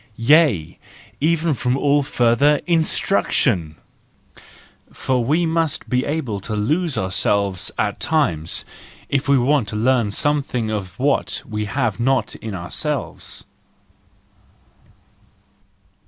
Yea, even from all further instruction ! For we must be able to lose ourselves at times, if we want to learn something of what we have not in ourselves.